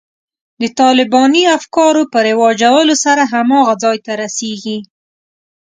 د طالباني افکارو په رواجولو سره هماغه ځای ته رسېږي.